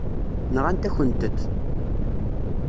Nɣant-akent-t.